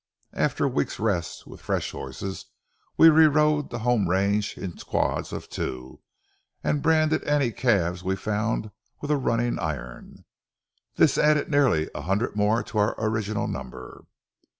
After a week's rest, with fresh horses, we re rode the home range in squads of two, and branded any calves we found with a running iron. This added nearly a hundred more to our original number.